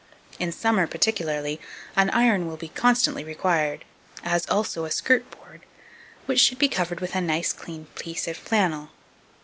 In summer, particularly, an iron will be constantly required, as also a skirt board, which should be covered with a nice clean piece of flannel.